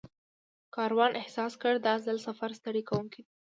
کاروان احساس کړ دا ځل سفر ستړی کوونکی نه دی.